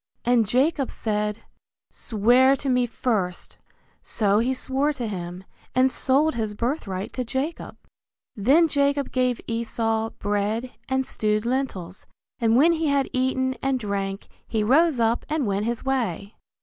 And Jacob said, Swear to me first; so he swore to him, and sold his birthright to Jacob. Then Jacob gave Esau bread and stewed lentils, and when he had eaten and drank, he rose up and went his way.